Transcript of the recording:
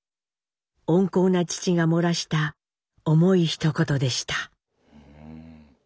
温厚な父がもらした重いひと言でした。